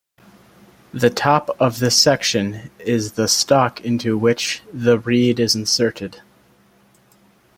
The top of this section is the stock into which the reed is inserted.